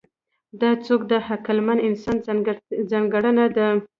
دا ځواک د عقلمن انسان ځانګړنه ده.